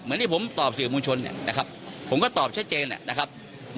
เหมือนที่ผมตอบสื่อมูลชนนะครับผมก็ตอบชัดเจนนะครับ